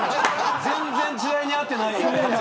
全然時代に合ってない。